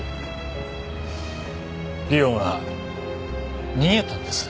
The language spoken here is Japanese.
莉音は逃げたんです。